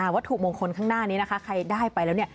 วัตถุมงคลข้างหน้านี้นะคะใครได้ไปแล้วเนี่ย